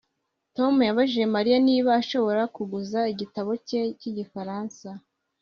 Tom yabajije Mariya niba ashobora kuguza igitabo cye cyigifaransa